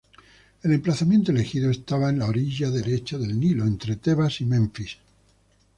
El emplazamiento elegido estaba en la orilla derecha del Nilo, entre Tebas y Menfis.